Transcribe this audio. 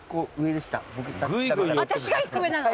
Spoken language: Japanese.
私が１個上なの？